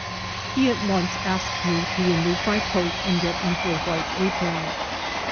He at once asked me to remove my coat and get into a white apron.